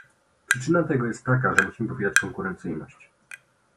Przyczyna tego jest taka, że musimy popierać konkurencyjność